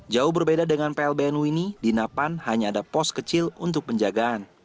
jauh berbeda dengan plbn wini di napan hanya ada pos kecil untuk penjagaan